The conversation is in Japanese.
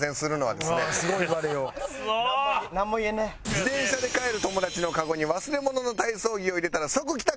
自転車で帰る友だちのカゴに忘れ物の体操着を入れたら即帰宅！